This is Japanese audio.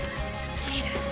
ジール。